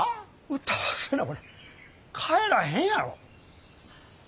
歌わせなこれ帰らへんやろ。